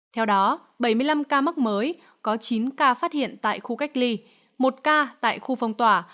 theo đó bảy mươi năm ca mắc mới có chín ca phát hiện tại khu cách ly một ca tại khu phong tỏa